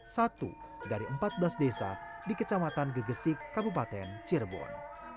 satu dari empat belas desa di kecamatan gegesik kabupaten cirebon